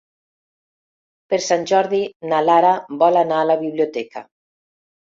Per Sant Jordi na Lara vol anar a la biblioteca.